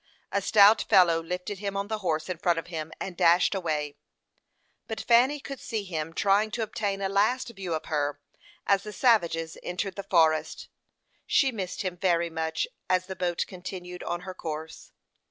A stout fellow lifted him on the horse in front of him, and dashed away; but Fanny could see him trying to obtain a last view of her, as the savages entered the forest. She missed him very much as the boat continued on her course.